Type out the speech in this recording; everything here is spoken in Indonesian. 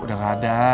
udah gak ada